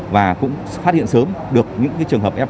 và cũng phát hiện sớm được những trường hợp f một